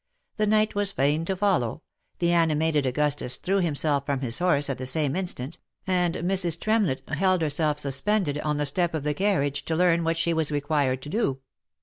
The knight was fain to follow, the animated Augustus threw himself from his horse at the same instant, and Mrs. Tremlettheld herself sus pended on the step of the carriage to learn what she was required to do.